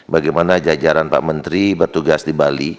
bagaimana jajaran pak menteri bertugas di bali